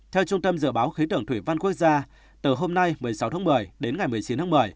theo trung tâm dự báo khí tượng thủy văn quốc gia từ hôm nay một mươi sáu tháng một mươi đến ngày một mươi chín tháng một mươi